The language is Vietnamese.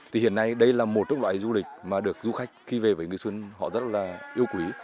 thì hiện nay đây là một trong loại du lịch mà được du khách khi về với nghi xuân họ rất là yêu quý